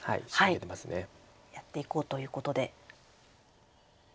やっていこうということで。